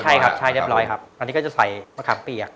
ใช่ครับใช่เรียบร้อยครับตอนนี้ก็จะใส่มะขามเปียก